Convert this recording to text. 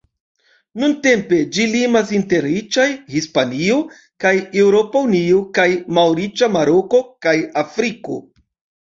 Nuntempe, ĝi limas inter riĉaj Hispanio kaj Eŭropa Unio kaj malriĉaj Maroko kaj Afriko.